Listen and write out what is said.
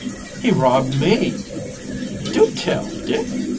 "He robbed me." "Do tell, Dick!